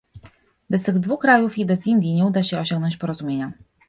Bez tych dwu krajów i bez Indii nie uda się osiągnąć porozumienia